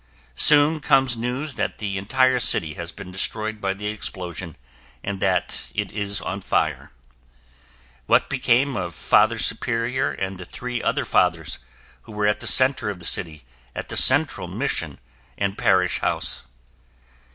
Soon comes news that the entire city has been destroyed by the explosion and that it is on fire. What became of Father Superior and the three other Fathers who were at the center of the city at the Central Mission and Parish House?